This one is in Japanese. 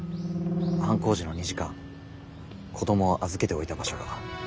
犯行時の２時間子供を預けておいた場所が。